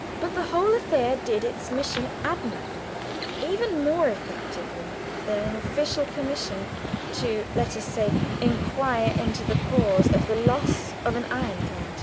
But the whole affair did its mission admirably even more effectively than an official commission to (let us say) inquire into the cause of the loss of an ironclad.